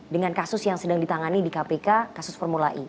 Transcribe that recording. dengan kasus yang sedang ditangani di kpk kasus formula e